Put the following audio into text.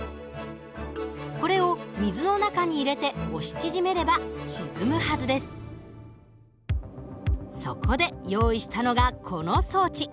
これを水の中に入れてそこで用意したのがこの装置。